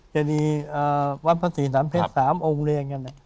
เจดีวัฒนภาษีสามเพชรสามองค์เรียนกัน